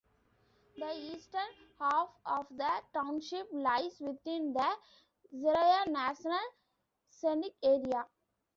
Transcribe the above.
The eastern half of the township lies within the Siraya National Scenic Area.